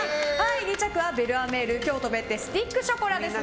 ２着はベルアメール京都別邸のスティックショコラです。